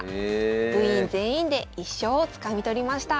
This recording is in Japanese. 部員全員で１勝をつかみ取りました。